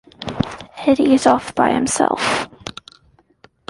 Eddie is off by himself.